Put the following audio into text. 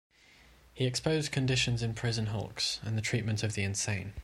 He exposed conditions in prison hulks and the treatment of the insane.